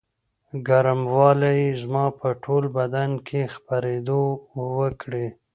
ګرموالي یې زما په ټول بدن کې خپرېدو وکړې.